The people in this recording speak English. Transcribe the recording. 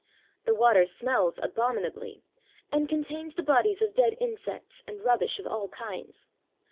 The water smells abominably, and contains the bodies of dead insects, and rubbish of all kinds (see also p.